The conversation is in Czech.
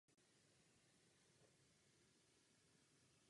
Pod nimi jsou vysoká gotická okna.